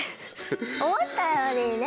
思ったよりね。